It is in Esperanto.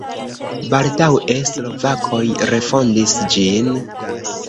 Baldaŭe slovakoj refondis ĝin.